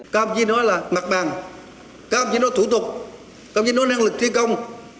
các ông chỉ nói là mặt bàn các ông chỉ nói thủ tục các ông chỉ nói năng lực thi công